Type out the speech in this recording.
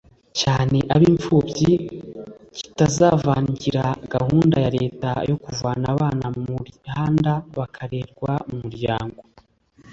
cyane ab’impfubyi kitazavangira gahunda ya leta yo kuvana abana mu muhanda bakarererwa mu muryango